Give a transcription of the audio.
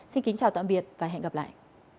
xin kính chào tạm biệt và hẹn gặp lại